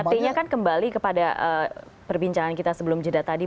artinya kan kembali kepada perbincangan kita sebelum jeda tadi